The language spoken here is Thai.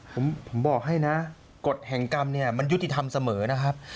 ผมบอกให้นะกฎแห่งกรรมเนี่ยมันยุติธรรมเสมอนะครับ